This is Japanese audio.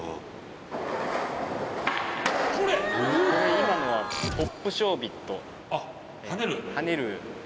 今のはポップショービット。